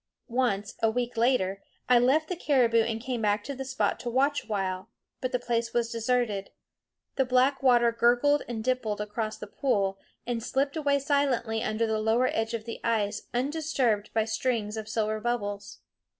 Once, a week later, I left the caribou and came back to the spot to watch awhile; but the place was deserted. The black water gurgled and dimpled across the pool, and slipped away silently under the lower edge of ice undisturbed by strings of silver bubbles.